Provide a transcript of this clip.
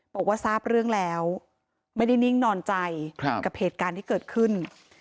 บอกว่าทราบเรื่องแล้วไม่ได้นิ่งนอนใจกับเหตุการณ์ที่เกิดขึ้น